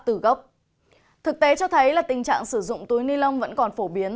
thực tế cho thấy là tình trạng sử dụng túi ni lông vẫn còn phổ biến